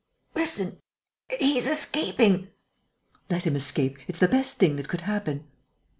Listen!... He's escaping!..." "Let him escape: it's the best thing that could happen."